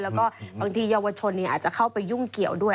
แล้วก็บางทีเยาวชนอาจจะเข้าไปยุ่งเกี่ยวด้วย